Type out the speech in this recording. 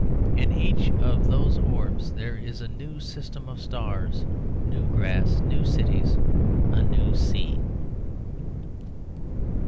In each of those orbs there is a new system of stars, new grass, new cities, a new sea.